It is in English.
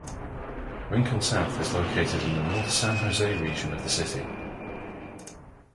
Rincon South is located in the North San Jose region of the city.